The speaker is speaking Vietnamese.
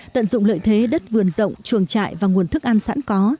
tận dụng lợi thế đất vườn rộng chuồng trại và nguồn thức ăn sẵn có